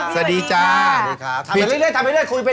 เห็นหน้าหน่อยได้ไหม